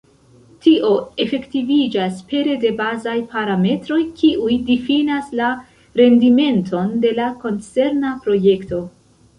Tio efektiviĝas pere de bazaj parametroj, kiuj difinas la rendimenton de la koncerna projekto.